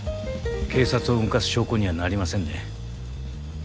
警察を動かす証拠にはなりませんね。